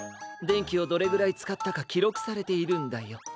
でんきをどれぐらいつかったかきろくされているんだよ。